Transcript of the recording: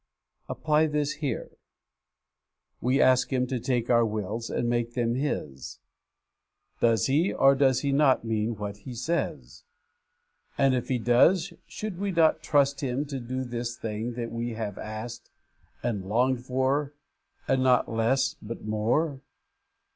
Apply this here. We ask Him to take our wills and make them His. Does He or does He not mean what He says? and if He does, should we not trust Him to do this thing that we have asked and longed for, and not less but more?